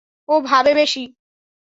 ও ভাবে বেশি।